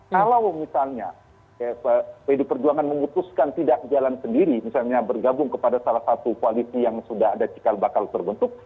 kalau misalnya pdi perjuangan memutuskan tidak jalan sendiri misalnya bergabung kepada salah satu koalisi yang sudah ada cikal bakal terbentuk